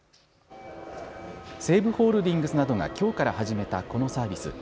西武ホールディングスなどがきょうから始めたこのサービス。